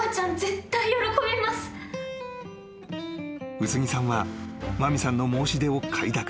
［卯都木さんは麻美さんの申し出を快諾］